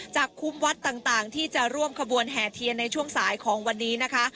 คุ้มวัดต่างที่จะร่วมขบวนแห่เทียนในช่วงสายของวันนี้นะคะ